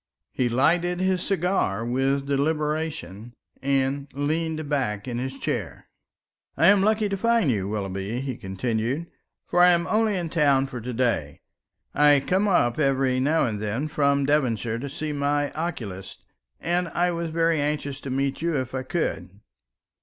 He lighted his cigar with deliberation and leaned back in his chair. "I am lucky to find you, Willoughby," he continued, "for I am only in town for to day. I come up every now and then from Devonshire to see my oculist, and I was very anxious to meet you if I could.